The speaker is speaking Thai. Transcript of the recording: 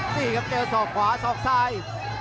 นี่ครับเจอศอกขวาสอกซ้าย